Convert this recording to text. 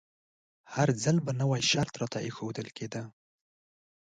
هر ځل به نوی شرط راته ایښودل کیده.